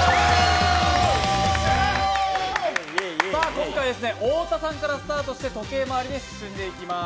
今回、太田さんからスタートして時計回りに進めていきます。